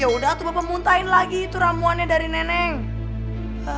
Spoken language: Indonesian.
ya udah tuh bapak muntain lagi itu ramuannya dari neneng